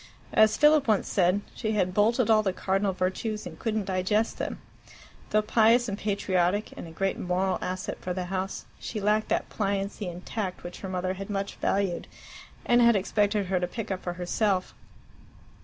As Philip once said, she had "bolted all the cardinal virtues and couldn't digest them." Though pious and patriotic, and a great moral asset for the house, she lacked that pliancy and tact which her mother so much valued, and had expected her to pick up for herself.